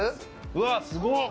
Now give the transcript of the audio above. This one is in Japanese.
うわっ、すごっ。